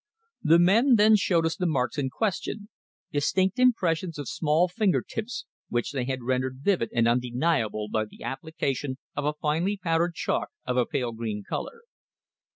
The men then showed us the marks in question distinct impressions of small finger tips, which they had rendered vivid and undeniable by the application of a finely powdered chalk of a pale green colour.